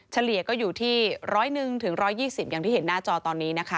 เฉลี่ยก็อยู่ที่๑๐๑๑๒๐อย่างที่เห็นหน้าจอตอนนี้นะคะ